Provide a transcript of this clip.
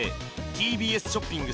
ＴＢＳショッピング